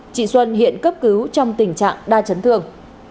chị xuân hiện cấp cứu trong tình trạng đa chấn thương